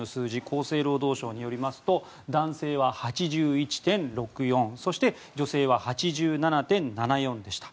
厚生労働省によりますと男性は８１．６４女性は８７．７４でした。